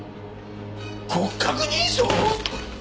骨格認証！？